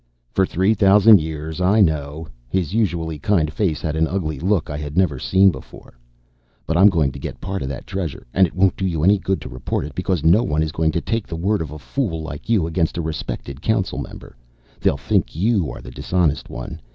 "For three thousand years. I know." His usually kind face had an ugly look I had never seen before. "But I'm going to get part of that Treasure. And it won't do you any good to report it, because no one is going to take the word of a fool like you, against a respected council member. They'll think you are the dishonest one.